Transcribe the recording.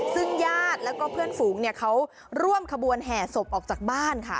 ซึ่งญาติแล้วก็เพื่อนฝูงเขาร่วมขบวนแห่ศพออกจากบ้านค่ะ